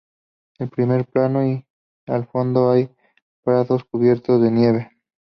En primer plano y al fondo hay prados cubiertos de nieve.